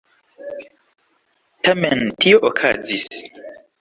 Tamen tio okazis.